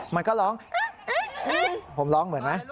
มันก็ร้องผมร้องเหมือนไหม